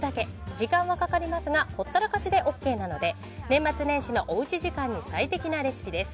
時間はかかりますがほったらかしでＯＫなので年末年始のおうち時間に最適なレシピです。